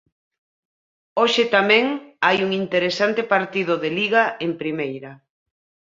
Hoxe tamén hai un interesante partido de Liga en primeira.